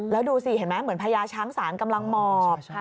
แล้วดูสิเห็นไหมเหมือนพญาช้างศาลกำลังหมอบ